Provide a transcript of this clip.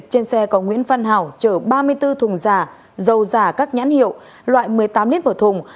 trên xe có nguyễn văn hảo chở ba mươi bốn thùng giả dầu giả các nhãn hiệu loại một mươi tám lít một thùng